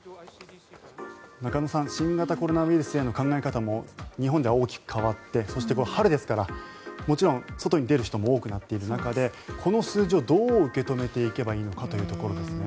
中野さん新型コロナウイルスへの考え方も日本では大きく変わってそして春ですからもちろん外に出る人も多くなっている中で、この数字をどう受け止めていけばいいのかというところですね。